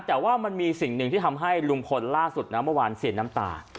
แต่ว่ามันมีสิ่งหนึ่งที่ทำให้ลุงพลล่าสุดนะเมื่อวานเสียน้ำตา